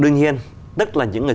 đương nhiên tức là những người